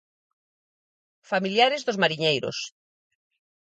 Familiares dos mariñeiros.